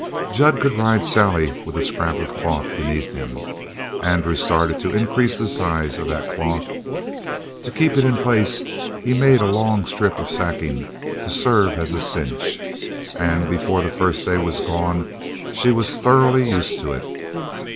Jud could ride Sally with a scrap of cloth beneath him; Andrew started to increase the size of that cloth. To keep it in place he made a long strip of sacking to serve as a cinch, and before the first day was gone she was thoroughly used to it.